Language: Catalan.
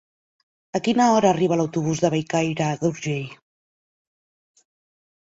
A quina hora arriba l'autobús de Bellcaire d'Urgell?